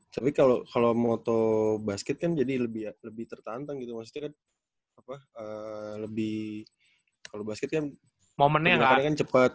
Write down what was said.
tapi kalo moto basket kan jadi lebih tertantang gitu maksudnya kan apa lebih kalo basket kan pergerakannya kan cepet